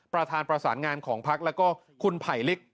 ประธานประสานงานของพักแล้วก็คุณไผลลิก